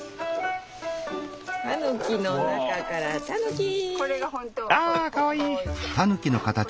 たぬきの中からたぬき！ああかわいい！